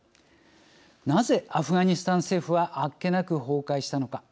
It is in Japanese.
なぜアフガニスタン政府はあっけなく崩壊したのか。